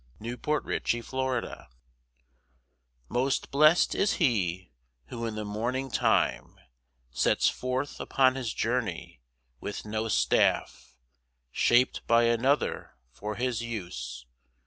MOST BLEST IS HE Most blest is he who in the morning time Sets forth upon his journey with no staff Shaped by another for his use.